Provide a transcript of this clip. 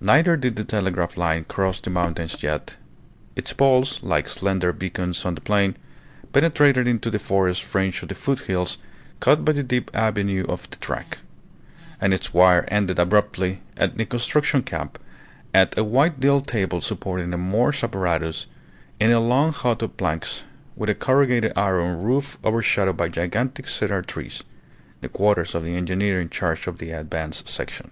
Neither did the telegraph line cross the mountains yet; its poles, like slender beacons on the plain, penetrated into the forest fringe of the foot hills cut by the deep avenue of the track; and its wire ended abruptly in the construction camp at a white deal table supporting a Morse apparatus, in a long hut of planks with a corrugated iron roof overshadowed by gigantic cedar trees the quarters of the engineer in charge of the advance section.